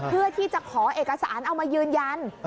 เพื่อที่จะขอเอกสารเอามายืนยัน